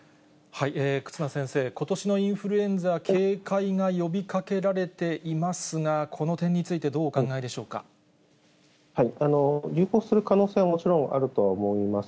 忽那先生、ことしのインフルエンザ、警戒が呼びかけられていますが、この点について、流行する可能性はもちろんあるとは思います。